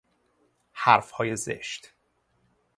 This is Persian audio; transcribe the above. حرفهای زشت